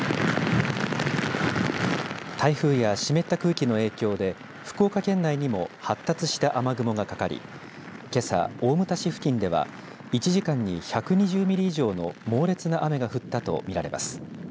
台風や湿った空気の影響で福岡県内にも発達した雨雲がかかりけさ、大牟田市付近では１時間に１２０ミリ以上の猛烈な雨が降ったと見られます。